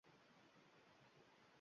U rasm chizadi – uning hayoli